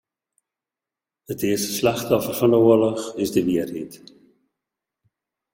It earste slachtoffer fan 'e oarloch is de wierheid.